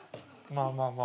まあまあ。